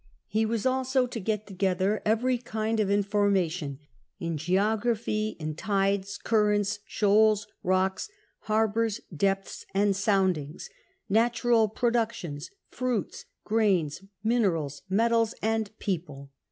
Ho was also to get together every kind of infonnation in geography in tides, currents, shoals, rocks, harbours, depths, an<l soundings; natural productions, fniits, grains, minerals, metals, and people.